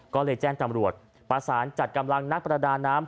ก็เลยแจ้งตำรวจประสานจัดกำลังนักประดาน้ำ